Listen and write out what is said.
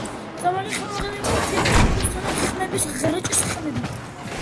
ძახილი ხმამაღალი და მკვეთრი აქვს, ჭარბობს დაბალი ჩხავილისა და ღრჭენის ხმები.